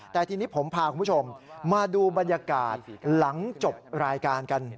แต่ทีนี้ผมพาคุณผู้ชมมาดูบรรยากาศหลังจบรายการกัน